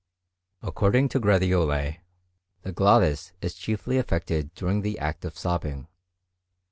According to Gratiolet, the glottis is chiefly affected during the act of sobbing.